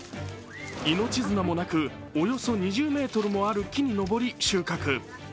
命綱もなくおよそ２０ｍもある木に登り収穫。